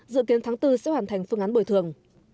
dự kiến tháng bốn sẽ hoàn thành phương án bồi thường